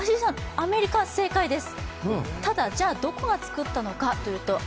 アメリカ正解です！